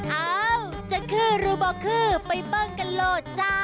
เอ้าจะคือรูบอกคือไปเบิ้งกันโหลดจ้า